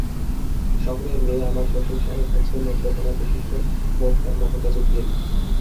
শহরের মেয়ে আমার শ্বশুরসাহেব হচ্ছেন নেত্রকোণার বিশিষ্ট মোক্তার মমতাজউদ্দিন!